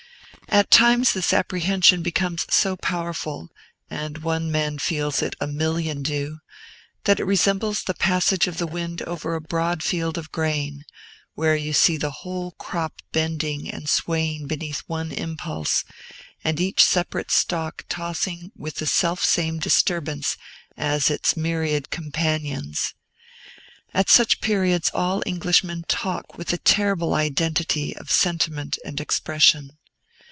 At times this apprehension becomes so powerful (and when one man feels it, a million do), that it resembles the passage of the wind over a broad field of grain, where you see the whole crop bending and swaying beneath one impulse, and each separate stalk tossing with the selfsame disturbance as its myriad companions. At such periods all Englishmen talk with a terrible identity of sentiment and expression.